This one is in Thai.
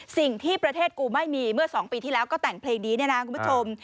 สิ่งที่ประเทศกูไม่มีเมื่อ๒ปีที่แล้วก็แต่งเพลงนี้เนี่ยนะคุณผู้ชม